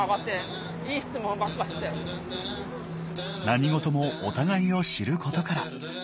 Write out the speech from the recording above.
何事もお互いを知ることから。